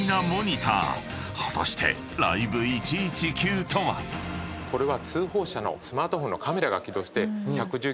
［果たしてＬｉｖｅ１１９とは？］これは。